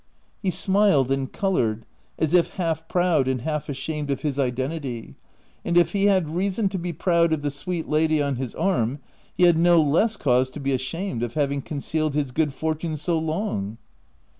He smiled and coloured, as if half proud and half ashamed of his identity; and if he had reason to be proud of the sweet lady on his arm, he had no less cause to be ashamed of having concealed his good fortune so long.